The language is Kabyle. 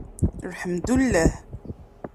Lḥemdulleh!